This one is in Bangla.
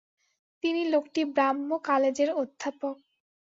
তিনি লোকটি ব্রাহ্ম কালেজের অধ্যাপক।